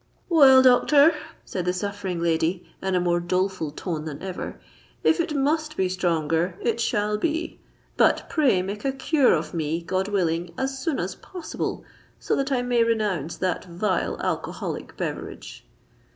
"Well, doctor," said the suffering lady, in a more doleful tone than ever, "if it must be stronger, it shall be: but pray make a cure of me (God willing) as soon as possible, so that I may renounce that vile alcoholic beverage."